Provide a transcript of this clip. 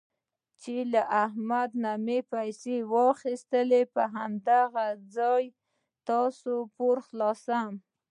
چې له احمد نه مې پیسې واخیستلې په هماغه ځای ستا پور خلاصوم.